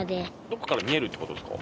どこかから見えるって事ですか？